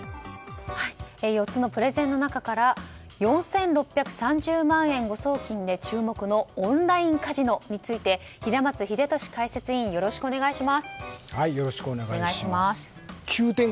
４つのプレゼンの中から４６３０万円誤送金で注目のオンラインカジノについて平松秀敏解説委員よろしくお願いします。